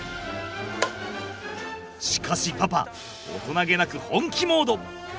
しかしパパ大人気なく本気モード。